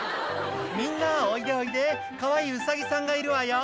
「みんなおいでおいでかわいいウサギさんがいるわよ」